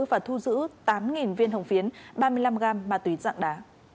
và thu giữ tám viên hồng phiến ba mươi năm gam ma túy dạng đá